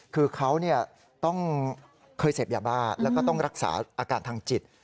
คือเขาต้องเคยเสพยาบ้าแล้วก็ต้องรักษาอาการทางจิต